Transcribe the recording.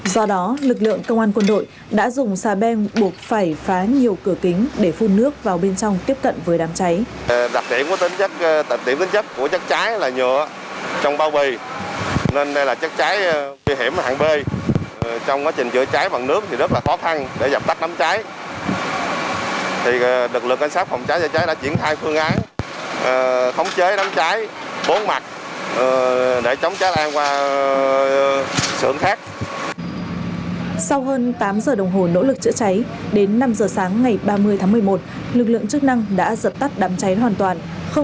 do đó lực lượng công an quân đội đã dùng xà beng buộc phải phá nhiều cửa kính